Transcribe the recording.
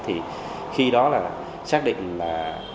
thì khi đó là xác định là